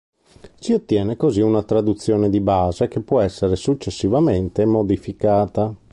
Si ottiene così una traduzione di base, che può essere successivamente modificata.